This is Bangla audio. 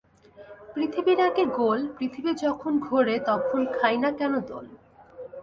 পৃথিবী নাকি গোল পৃথিবী যখন ঘোরে তখন খাই না কেন দোল?